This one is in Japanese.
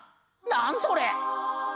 何それ！？